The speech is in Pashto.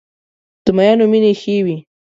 د مینو مینې ښې وې.